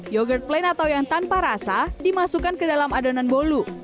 yogurt plain atau yang tanpa rasa dimasukkan ke dalam adonan bolu